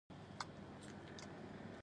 غیر توازن حرکت رامنځته کوي.